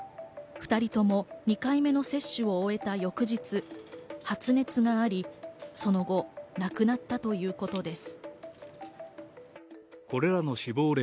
２人とも２回目の接種を終えた翌日、発熱があり、その後亡くなったということです。